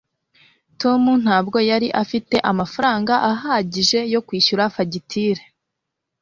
tom ntabwo yari afite amafaranga ahagije yo kwishyura fagitire